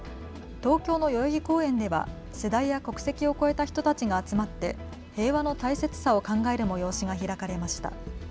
東京の代々木公園では世代や国籍を超えた人たちが集まって平和の大切さを考える催しが開かれました。